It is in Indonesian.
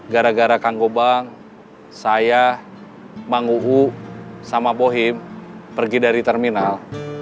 gara gara kang gobang saya manguhu sama bohim pergi dari terminal